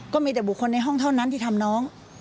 ก็มีแต่บุคคลในห้องเท่านั้นที่ทำน้อง